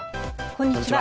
こんにちは。